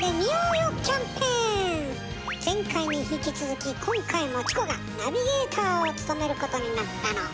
前回に引き続き今回もチコがナビゲーターを務めることになったの。